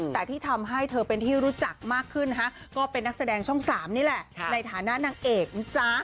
แต่ที่ทำให้เธอเป็นที่รู้จักมากขึ้นก็เป็นนักแสดงช่อง๓นี่แหละในฐานะนางเอกนะจ๊ะ